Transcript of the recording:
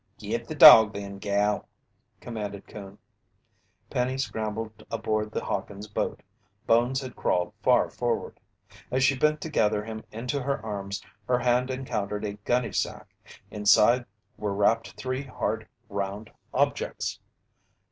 "Git the dog then, gal," commanded Coon. Penny scrambled aboard the Hawkins' boat. Bones had crawled far forward. As she bent to gather him into her arms, her hand encountered a gunny sack. Inside were wrapped three hard, round objects.